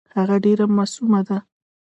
هغه ډېره معصومه ده .